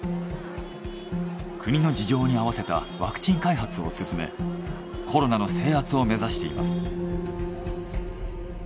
国の事情に合わせたワクチン開発を進めコロナの制圧を目指しています。